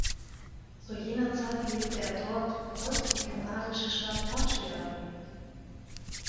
Zu jener Zeit lebte er dort, wo heute die kanadische Stadt Montreal liegt.